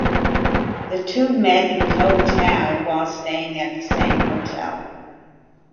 The two met in Koh Tao while staying at the same hotel.